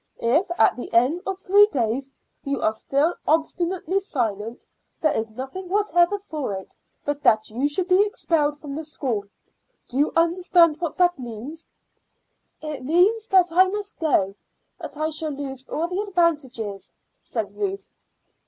If at the end of three days you are still obstinately silent, there is nothing whatever for it but that you should be expelled from the school. Do you understand what that means?" "It means that I must go, that I shall lose all the advantages," said Ruth.